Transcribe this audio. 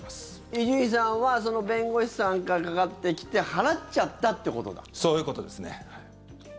伊集院さんはその弁護士さんからかかってきてそういうことですね。